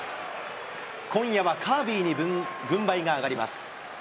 今夜はカービーに軍配が上がります。